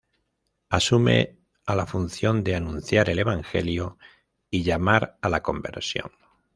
Asume a la función de anunciar el evangelio y llamar a la conversión.